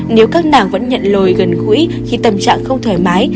nếu các nàng vẫn nhận lồi gần gũi khi tâm trạng không thoải mái